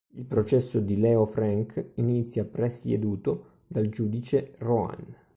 Il processo di Leo Frank inizia, presieduto dal giudice Roan.